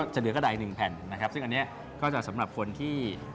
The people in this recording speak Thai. จะเหลือขนาด๑แผ่นซึ่งอันนี้ก็จะสำหรับคนที่